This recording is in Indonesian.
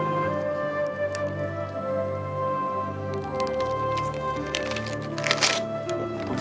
terima kasih mas